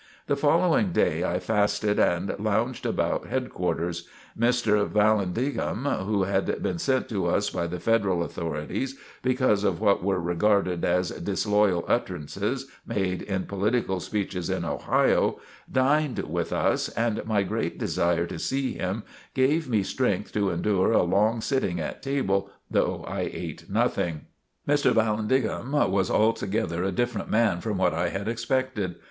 The following day, I fasted and lounged about headquarters. Mr. Vallandigham, who had been sent to us by the Federal authorities because of what were regarded as disloyal utterances made in political speeches in Ohio, dined with us, and my great desire to see him gave me strength to endure a long sitting at table, though I ate nothing. Mr. Vallandigham was altogether a different man from what I had expected.